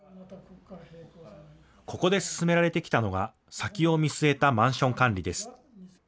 ここで進められてきたのが先を見据えたマンション管理です。